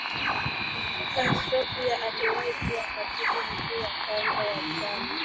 Castro pia aliwahi kuwa Katibu mkuu wa kwanza wa chama